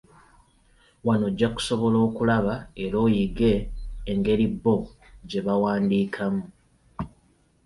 Wano ojja kusobola okulaba era oyige engeri bo gye baawandiikamu.